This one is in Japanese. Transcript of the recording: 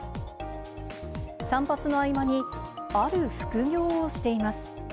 散髪の合間に、ある副業をしています。